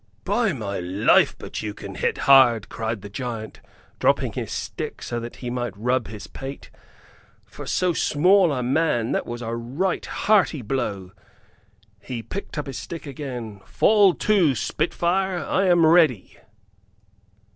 "By my life, but you can hit hard!" cried the giant, dropping his stick that he might rub his pate. "For so small a man that was a right hearty blow." He picked up his stick again. "Fall to, spitfire. I am ready!"